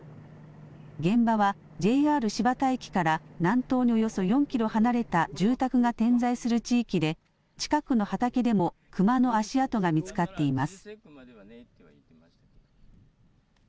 現場はＪＲ新発田駅から南東におよそ４キロ離れた住宅が点在する地域で近くの畑でもクマの足跡が見つかっています。